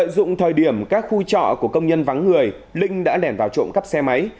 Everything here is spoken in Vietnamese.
dụng thời điểm các khu trọ của công nhân vắng người linh đã lẻn vào trộm cắp xe máy